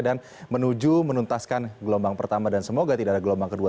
dan menuju menuntaskan gelombang pertama dan semoga tidak ada gelombang kedua